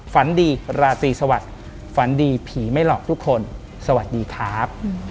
ฝันดีราตรีสวัสดิ์ฝันดีผีไม่หลอกทุกคนสวัสดีครับ